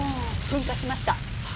噴火しました。